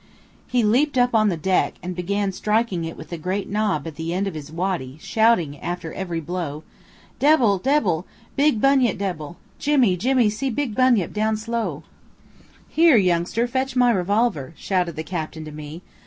He leaped up on the deck, and began striking it with the great knob at the end of his waddy, shouting out after every blow. "Debble, debble big bunyip debble. Jimmy, Jimmy see big bunyip down slow!" "Here, youngster, fetch my revolver," shouted the captain to me.